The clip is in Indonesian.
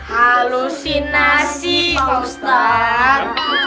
halusi nasi pak ustadz